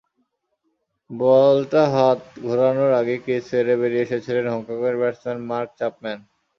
বলটা হাত ঘোরানোর আগেই ক্রিজ ছেড়ে বেরিয়ে এসেছিলেন হংকংয়ের ব্যাটসম্যান মার্ক চ্যাপম্যান।